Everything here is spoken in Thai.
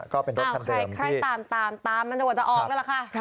ก็เป็นรถทั้งเดิมที่อ้าวใครตามมันจะออกแล้วหรือคะ